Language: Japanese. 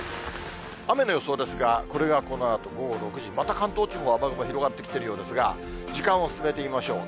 雨の予想ですが、これがこのあと午後６時、また関東地方は雨雲、広がってきているようですが、時間を進めてみましょう。